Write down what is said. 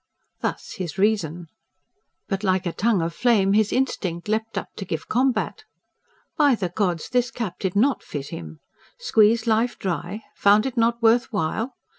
Thus his reason. But, like a tongue of flame, his instinct leapt up to give combat. By the gods, this cap did NOT fit him! Squeezed life try? ... found it not worth while?